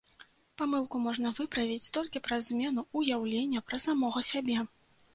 Памылку можна выправіць толькі праз змену ўяўлення пра самога сябе.